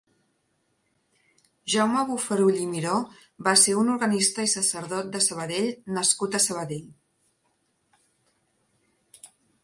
Jaume Bofarull i Miró va ser un organista i sacerdot de sabadell nascut a Sabadell.